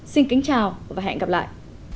xin kính chào và hẹn gặp lại